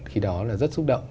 khi đó là rất xúc động